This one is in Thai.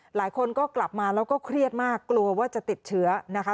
หลายคนก็กลับมาแล้วก็เครียดมากกลัวว่าจะติดเชื้อนะคะ